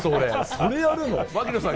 それやるの？